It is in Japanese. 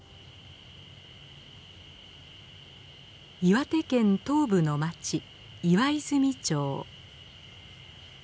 岩手県東部の町岩泉町。